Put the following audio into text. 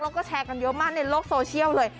แล้วก็แชร์กันเยอะมากในโลกโซเชียลเลย